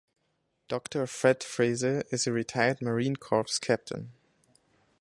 Doctor Fred Frese is a retired Marine Corps Captain.